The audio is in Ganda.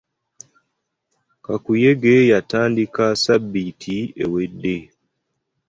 Kakuyege yatandika sabbiiti ewedde.